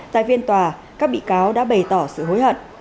tại phiên tòa các bị cáo đã bày tỏ sự hối hận